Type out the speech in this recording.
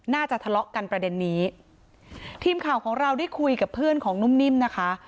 น่าจะทะเลาะกันประเด็นนี้ทีมข่าวของเราได้คุยกับเพื่อนของนุ่มนิ่มนะคะ